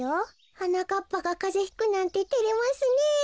はなかっぱがカゼひくなんててれますねえ。